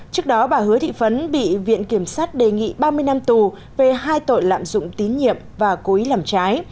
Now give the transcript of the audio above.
trước đó bà hứa thị phấn bị viện kiểm sát đề nghị ba mươi năm tù về hai tội lạm dụng tín nhiệm và cố ý làm trái